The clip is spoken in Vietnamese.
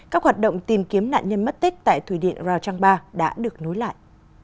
các hoạt động tìm kiếm nạn nhân mất tích tại thủy điện rào trang ba đã được nối lại